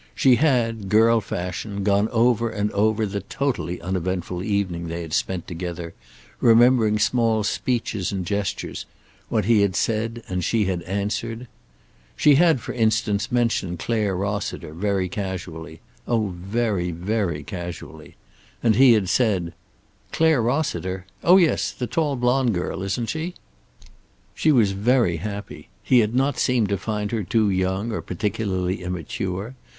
She had, girl fashion, gone over and over the totally uneventful evening they had spent together, remembering small speeches and gestures; what he had said and she had answered. She had, for instance, mentioned Clare Rossiter, very casually. Oh very, very casually. And he had said: "Clare Rossiter? Oh, yes, the tall blonde girl, isn't she?" She was very happy. He had not seemed to find her too young or particularly immature.